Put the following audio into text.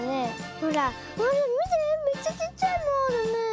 ほらみてめっちゃちっちゃいのあるね。